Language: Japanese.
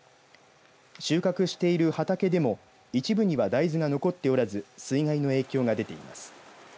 収穫している畑でも一部には大豆が残っておらず水害の影響が出ています。